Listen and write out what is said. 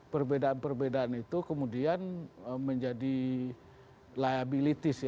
perbedaan perbedaan itu kemudian menjadi liabilitis